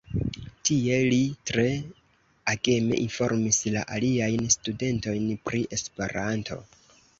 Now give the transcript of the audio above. Tie li tre ageme informis la aliajn studentojn pri Esperanto.